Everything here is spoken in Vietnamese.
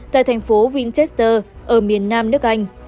tại thành phố winchester ở miền nam nước anh